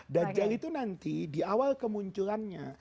dajal itu nanti di awal kemunculannya